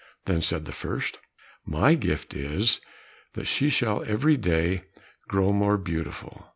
Then said the first, "My gift is, that she shall every day grow more beautiful."